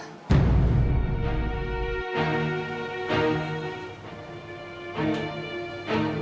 ketika kita sudah mencari kemampuan untuk mencari kemampuan